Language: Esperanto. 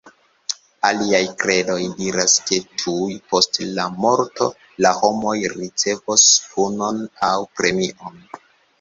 Aliaj kredoj diras ke tuj post la morto, la homoj ricevos punon aŭ premion.